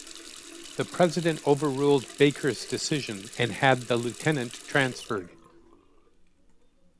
The President overruled Baker's decision and had the lieutenant transferred.